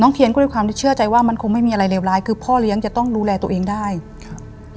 เทียนก็ด้วยความที่เชื่อใจว่ามันคงไม่มีอะไรเลวร้ายคือพ่อเลี้ยงจะต้องดูแลตัวเองได้ครับ